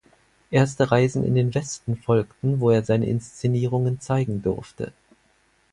Erste Reisen in den Westen folgten, wo er seine Inszenierungen zeigen durfte.